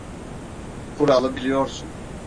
Kuralı biliyorsun.